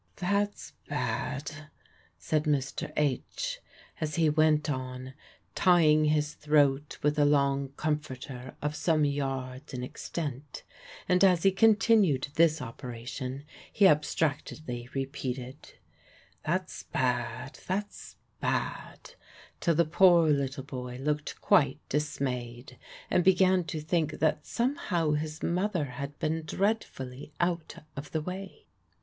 "That's bad," said Mr. H., as he went on, tying his throat with a long comforter of some yards in extent; and as he continued this operation he abstractedly repeated, "That's bad, that's bad," till the poor little boy looked quite dismayed, and began to think that somehow his mother had been dreadfully out of the way.